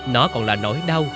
nó còn là nỗi đau